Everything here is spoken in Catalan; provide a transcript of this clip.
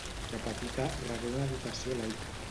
De petita rebé una educació laica.